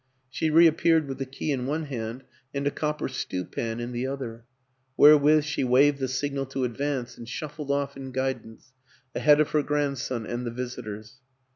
She reappeared with the key in one hand and a copper stewpan in the other wherewith she waved the signal to advance, and shuffled off in guidance, ahead of her grandson and the visitors.